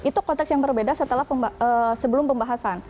itu konteks yang berbeda sebelum pembahasan